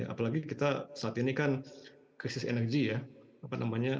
apalagi kita saat ini kan krisis energi ya